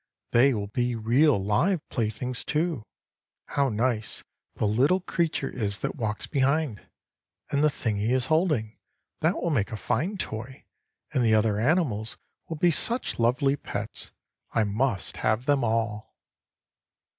They will be real live playthings, too. How nice the little creature is that walks behind! And the thing he is holding; that will make a fine toy. And the other animals will be such lovely pets. I must have them all."